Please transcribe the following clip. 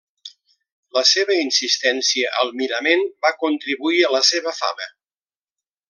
La seva insistència al mirament va contribuir a la seva fama.